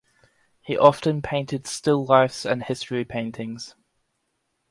He often painted still lifes and history paintings.